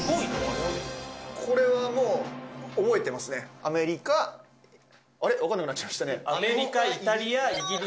これはもう覚えてますねあれわかんなくなっちゃいましたね